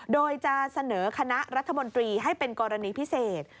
โดยจะเสนอคณะรัฐมนตรีให้เป็นกรณีพิเศษ